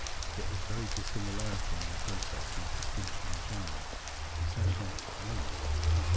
Yet this very dissimilarity is the process of distinction in general, the essential moment in know * C'p.